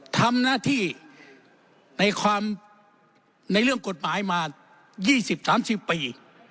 ทำหน้าที่ในความในเรื่องกฎหมายมายี่สิบสามสิบปี